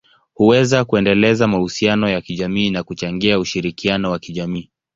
huweza kuendeleza mahusiano ya kijamii na kuchangia ushirikiano wa kijamii.